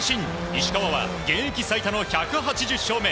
石川は現役最多の１８０勝目。